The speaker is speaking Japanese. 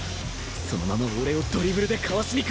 そのまま俺をドリブルでかわしにくるか？